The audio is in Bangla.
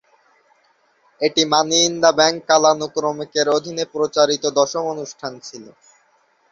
এটি মানি ইন দ্য ব্যাংক কালানুক্রমিকের অধীনে প্রচারিত দশম অনুষ্ঠান ছিল।